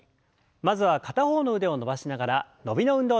まずは片方の腕を伸ばしながら伸びの運動です。